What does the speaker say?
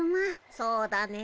そうだねえ。